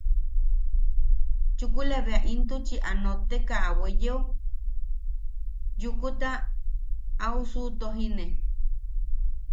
Chukula bea intuchi a notteka a weyeo, yukuta au suʼutojine.